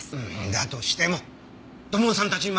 だとしても土門さんたちに任せて。